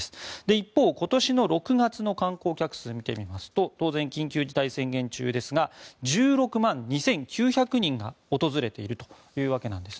一方、今年の６月の観光客の数を見てみますと当然、緊急事態宣言中ですが１６万２９００人が訪れているというわけです。